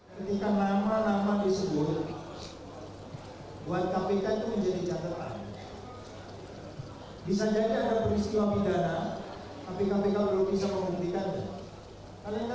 ketika lama lama disebut